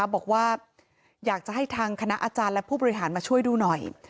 บอกว่าอยากจะให้ทางคณะอาจารย์และผู้บริหารมาช่วยดูหน่อย